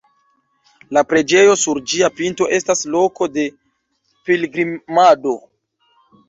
La preĝejo sur ĝia pinto estas loko de pilgrimado.